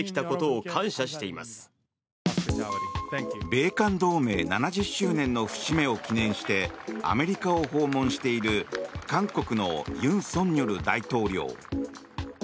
米韓同盟７０周年の節目を記念してアメリカを訪問している韓国の尹錫悦大統領。